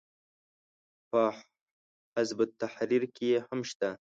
په حزب التحریر کې هم شته.